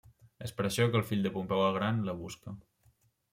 És per això que el fill de Pompeu el gran, la busca.